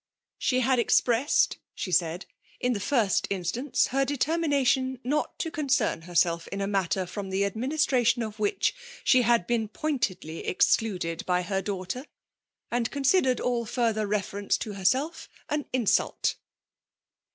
" She had expressed," she said, " in the first instance her determination not to concern herself in a matter from the administration of which she had been pointedly e!xcluded by her daughter; and considered all further reference to herself an insult."